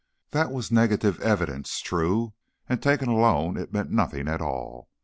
That was negative evidence, true, and taken alone it meant nothing at all.